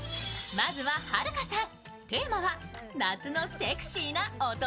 まずは、はるかさん。